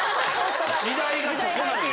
時代がそこなんや？